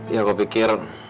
ya aku pikir